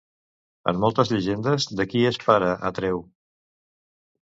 En moltes llegendes, de qui és pare Atreu?